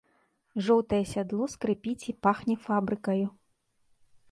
Жоўтае сядло скрыпіць і пахне фабрыкаю.